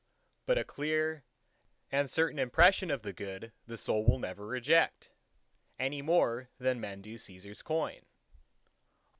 But a clear and certain impression of the Good the Soul will never reject, any more than men do Cæsar's coin.